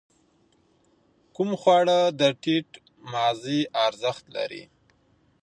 کوم خواړه د ټیټ مغذي ارزښت لري؟